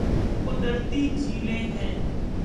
قدرتی جھیلیں ہیں